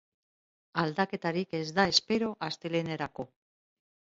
Aldaketarik ez da espero astelehenerako.